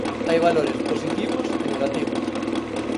Hai valores positivos e negativos.